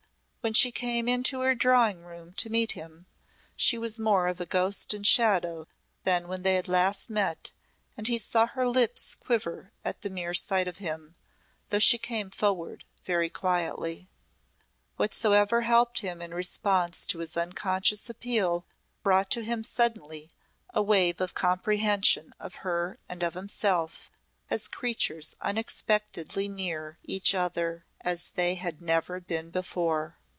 When she came into her drawing room to meet him she was more of a ghost and shadow than when they had last met and he saw her lips quiver at the mere sight of him, though she came forward very quietly. Whatsoever helped him in response to his unconscious appeal brought to him suddenly a wave of comprehension of her and of himself as creatures unexpectedly near each other as they had never been before.